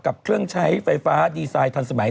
กับเครื่องใช้ไฟฟ้าดีไซน์ทันสมัย